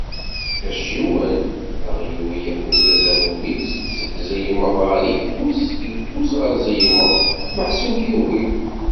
Acciwen? Aɣyul ihuzz azamum-is seg ẓelmeḍ ɣer yeffus, seg yeffus ɣer ẓelmeḍ. Meḥsub yugi.